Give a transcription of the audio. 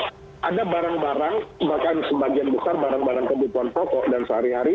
ada barang barang bahkan sebagian besar barang barang kebutuhan pokok dan sehari hari